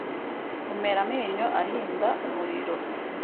kumera amenyo ahinda umuriro